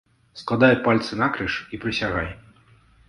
Складай пальцы накрыж і прысягай!